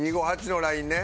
２５８のラインね。